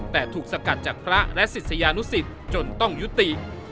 แต่ถูกสกัดจากพระและศิษยานุสิตจนต้องยุติ